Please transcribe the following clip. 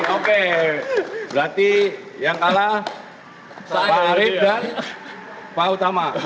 oke berarti yang kalah pak arief dan pak utama